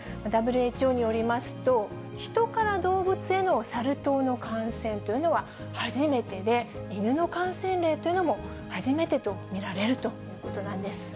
ＷＨＯによりますと、ヒトから動物へのサル痘の感染というのは初めてで、イヌの感染例というのも初めてと見られるということなんです。